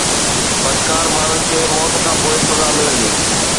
بدڪار ماڻهن کي موت کان پوءِ سزا ملندي